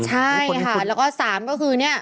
ใช่ค่ะแล้วก็๓ก็คือเนี่ย